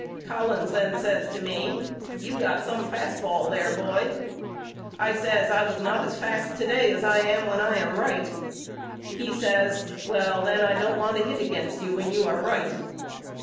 Collins then says to me You got some fast ball there boy. I says I was not as fast to day as I am when I am right. He says Well then I don't want to hit against you when you are right.